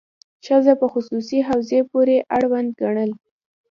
ښځه په خصوصي حوزې پورې اړونده ګڼل.